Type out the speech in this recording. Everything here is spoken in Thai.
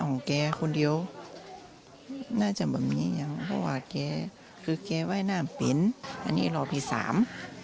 คือจะไปด้วยกระโจนละรอบเนี่ยรอบที่สองและกลับมารอบที่สาม